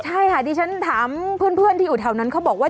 ใช่ค่ะดิฉันถามเพื่อนที่อยู่แถวนั้นเขาบอกว่า